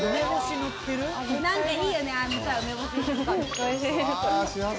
おいしい。